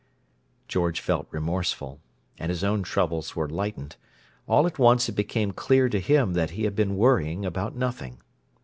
George felt remorseful, and his own troubles were lightened: all at once it became clear to him that he had been worrying about nothing.